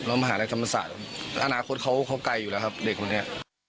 เรามาหาในกรรมศาสตร์อนาคตเขาไกลอยู่นะครับเด็กคนนี้